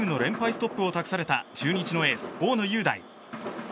ストップを託された中日のエース、大野雄大。